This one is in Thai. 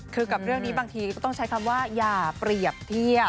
คือกับเรื่องนี้บางทีก็ต้องใช้คำว่าอย่าเปรียบเทียบ